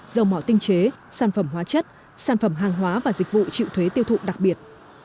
dầu mỏ tinh chế sản phẩm hóa chất sản phẩm hàng hóa và dịch vụ chịu thuế tiêu thụ đặc biệt